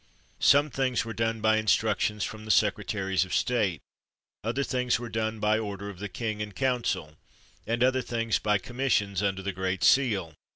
Some things were done by instructions from the secretaries of state; other things were done by order of the king and council; and other things by commissions under the great seal.